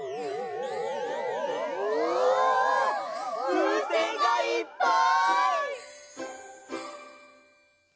ふうせんがいっぱい！